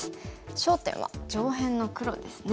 焦点は上辺の黒ですね。